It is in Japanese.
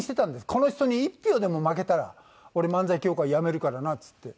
「この人に１票でも負けたら俺漫才協会辞めるからな」っつって。